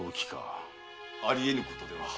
あり得ぬことでは。